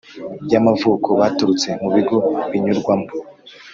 y amavuko baturutse mu bigo binyurwamo